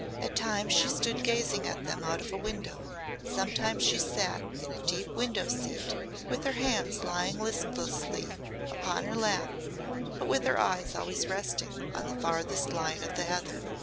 At times she stood gazing at them out of a window, sometimes she sat in a deep window seat with her hands lying listlessly upon her lap but with her eyes always resting on the farthest line of the heather.